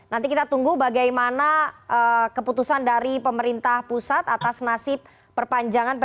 nanti kita tunggu bagaimana keputusan dari pemerintah pusat atas nasib perpanjangan ppkm